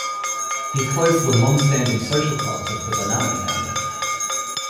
He closed the long-standing social clubs of the Bonanno family.